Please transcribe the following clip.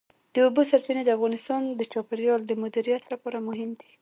د اوبو سرچینې د افغانستان د چاپیریال د مدیریت لپاره مهم دي.